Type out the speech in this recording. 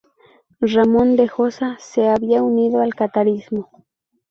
Ramón de Josa se había unido al catarismo.